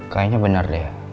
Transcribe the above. kayaknya bener deh